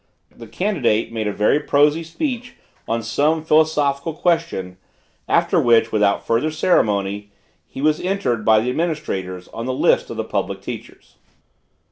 The candidate made a very prosy speech on some philosophical question, after which, without farther ceremony, he was entered, by the administrators, on the list of the public teachers.